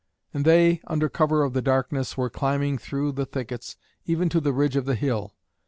And they, under cover of the darkness, were climbing through the thickets even to the ridge of the hill.